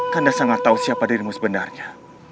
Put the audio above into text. karena sangat tahu siapa dirimu sebenarnya